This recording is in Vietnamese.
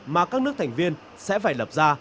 mà các nước thành viên sẽ phải lập ra